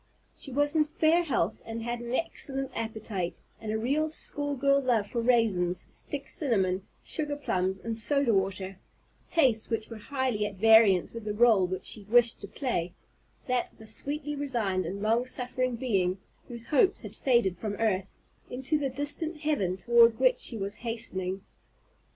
She was in fair health, and had an excellent appetite, and a real school girl love for raisins, stick cinnamon, sugar plums, and soda water; tastes which were highly at variance with the rôle which she wished to play, that of a sweetly resigned and long suffering being, whose hopes had faded from earth, into the distant heaven toward which she was hastening.